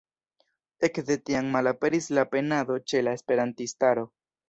Ekde tiam malaperis la penado ĉe la esperantistaro.